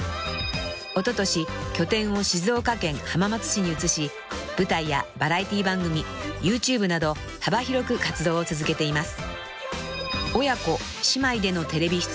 ［おととし拠点を静岡県浜松市に移し舞台やバラエティー番組ＹｏｕＴｕｂｅなど幅広く活動を続けています］